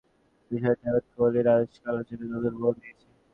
তার ওপর দুজনের নৈশভোজের বিষয়টা এখন কোহলি-আনুশকা আলোচনায় নতুন মোড় নিয়েছে।